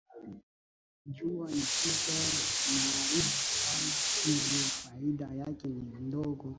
Jua likija linaharibu sana hivyo faida yake ni ndogo